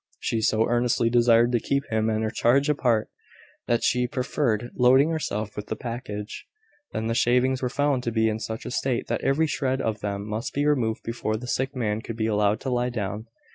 She so earnestly desired to keep him and her charge apart, that she preferred loading herself with the package. Then the shavings were found to be in such a state that every shred of them must be removed before the sick man could be allowed to lie down.